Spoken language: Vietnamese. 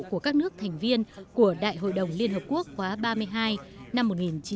của các nước thành viên của đại hội đồng liên hợp quốc khóa ba mươi hai năm một nghìn chín trăm tám mươi hai